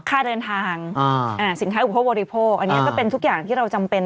ค่าเดินทางสินค้าอุปโภคอันนี้ก็เป็นทุกอย่างที่เราจำเป็น